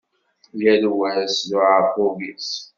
Yal wa s uεerqub-is.